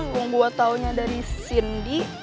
kalau gue taunya dari cindy